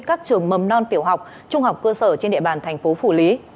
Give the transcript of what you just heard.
các trường mầm non tiểu học trung học cơ sở trên địa bàn thành phố phủ lý